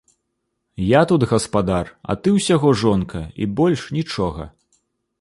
Я тут гаспадар, а ты ўсяго жонка і больш нічога!